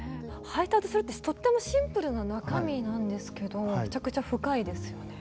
配達するってとってもシンプルな中身なんですけどめちゃくちゃ深いですよね。